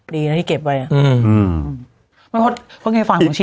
ดีนะที่เก็บไว้